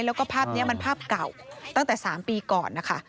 แล้วก็ภาพนี้มันภาพเก่าตั้งแต่๓ปีก่อนนะคะ